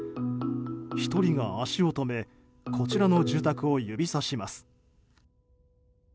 １人が足を止めこちらの住宅を指さします。